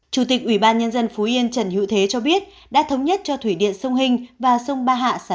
chủ tịch ubnd phú yên trần hữu thế cho biết đã thống nhất cho thủy điện sông hình và sông ba hạ